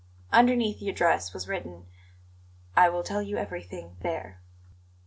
Underneath the address was written: "I will tell you everything there."